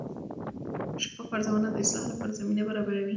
شفاف ارزونه د اصلاح لپاره زمینه برابروي.